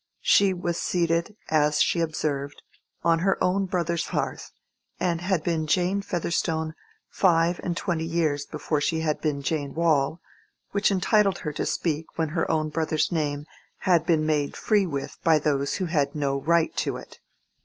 She was seated, as she observed, on her own brother's hearth, and had been Jane Featherstone five and twenty years before she had been Jane Waule, which entitled her to speak when her own brother's name had been made free with by those who had no right to it.